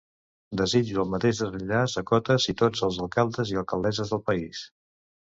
Desitjo el mateix desenllaç a totes i tots els alcaldes i alcaldesses del país.